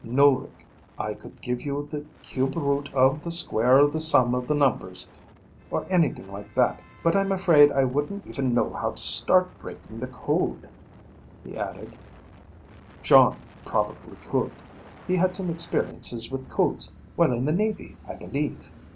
"No, Rick. I could give you the cube root of the square of the sum of the numbers, or anything like that, but I'm afraid I wouldn't even know how to start breaking the code." He added, "John probably could. He had some experience with codes while in the Navy, I believe."